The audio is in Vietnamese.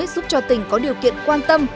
giúp cho tỉnh có điều kiện quan tâm